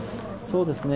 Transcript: そうですね。